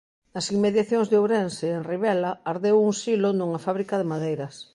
Nas inmediacións de Ourense, en Ribela, ardeu un silo nunha fábrica de madeiras.